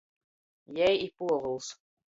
Jei, i Puovuls...